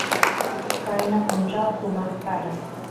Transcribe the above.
qayna punchaw sumaq kara